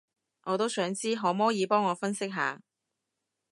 我都想知，可摸耳幫我分析下